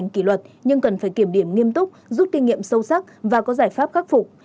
kỷ luật nhưng cần phải kiểm điểm nghiêm túc rút kinh nghiệm sâu sắc và có giải pháp khắc phục